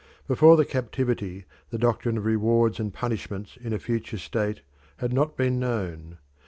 Before the captivity the doctrine of rewards and punishments in a future state had not been known.